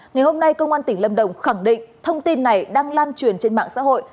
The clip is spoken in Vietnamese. ngày hôm nay công an tỉnh lâm đồng khẳng định thông tin này đang lan truyền trên mạng xã hội